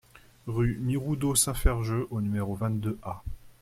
Rue Miroudot Saint-Ferjeux au numéro vingt-deux A